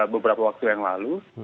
beberapa waktu yang lalu